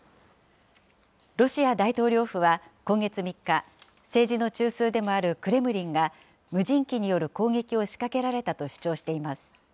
ロシア大統領府は、今月３日、政治の中枢でもあるクレムリンが、無人機による攻撃を仕掛けられたと主張しています。